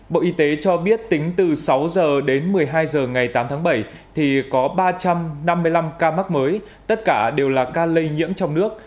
bộ y tế cho biết tính từ sáu h đến một mươi hai h ngày tám tháng bảy thì có ba trăm năm mươi năm ca mắc mới tất cả đều là ca lây nhiễm trong nước